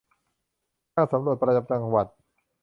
ช่างสำรวจประจำจังหวัด